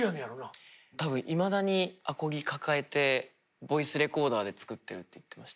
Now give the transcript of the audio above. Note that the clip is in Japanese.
多分いまだにアコギ抱えてボイスレコーダーで作ってるって言ってました。